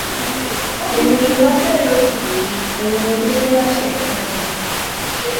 Eno y'ebadde eyookubiri olwo ne gubeera kyenkanyi